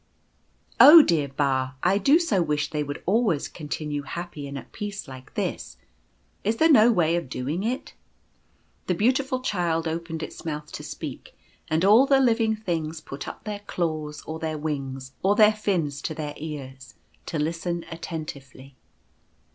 " Oh, dear Ba, I do so wish they would always continue happy and at peace like this. Is there no way of doing it ?" The Beautiful Child opened its mouth to speak, and all the living things put up their claws, or their wings, or their fins to their ears, to listen attentively.